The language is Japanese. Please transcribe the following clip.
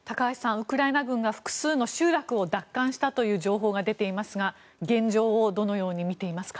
ウクライナ軍が複数の集落を奪還したという情報が出ていますが現状をどのように見ていますか。